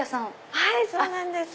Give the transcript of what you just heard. はいそうなんです。